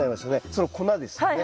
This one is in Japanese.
その粉ですよね。